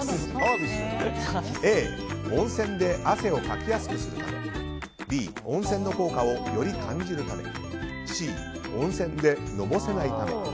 Ａ、温泉で汗をかきやすくするためＢ、温泉の効果をより感じるためＣ、温泉でのぼせないため。